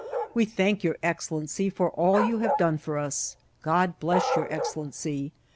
We thank your excellency for all you have done for us. God bless your excellency